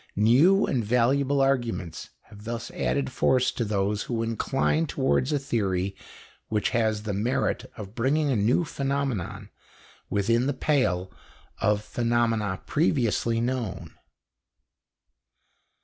New and valuable arguments have thus added force to those who incline towards a theory which has the merit of bringing a new phenomenon within the pale of phenomena previously known.